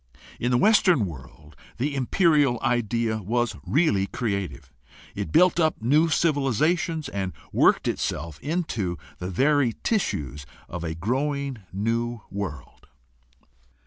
In the Western world the imperial idea was really creative. It built up new civilizations and worked itself into the very tissues of a growing new world.